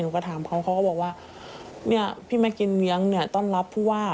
ก็ถามเขาเขาก็บอกว่าเนี่ยพี่มากินเลี้ยงเนี่ยต้อนรับผู้ว่า